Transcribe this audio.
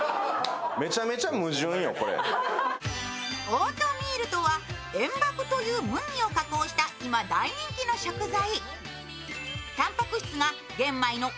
オートミールとはえん麦という麦を加工した今大人気の食材。